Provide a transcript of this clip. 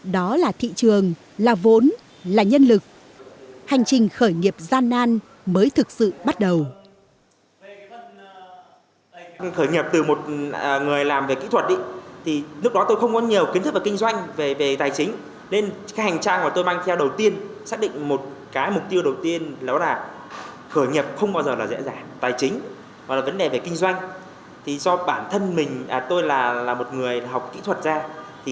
có thể tự quyết được đó là thị trường là vốn là nhân lực hành trình khởi nghiệp gian nan mới thực sự bắt đầu